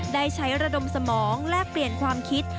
ได้ใช้ระดมสมองแลกเปลี่ยนความคิด